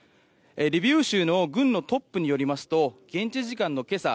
リビウ州の州知事によりますと現地時間の今朝